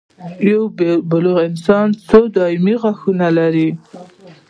یو بالغ انسان څو دایمي غاښونه لري